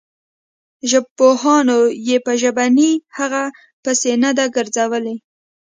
ژبپوهانو یې په ژبنۍ هغې پسې نه ده ګرځولې.